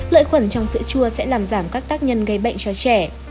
lợi khuẩn trong sữa chua sẽ làm giảm các tác nhân gây bệnh cho trẻ